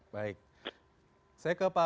baik saya ke pak